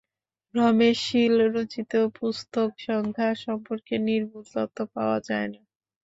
রমেশ শীল রচিত পুস্তক সংখ্যা সম্পর্কে নির্ভূল তথ্য পাওয়া যায় না।